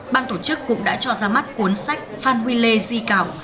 ban tổ chức cũng đã cho ra mắt cuốn sách phan huy lê di cảo